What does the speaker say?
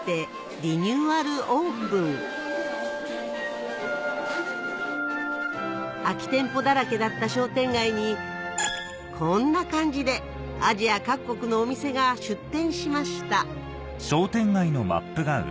リニューアルオープン空き店舗だらけだった商店街にこんな感じでアジア各国のお店が出店しました